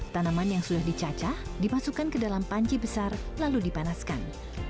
tanaman yang sudah dicacah dimasukkan ke dalam panci besar lalu dipanaskan